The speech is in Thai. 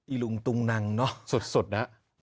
อีหลุงตุ้งนังเนอะสดสดนะ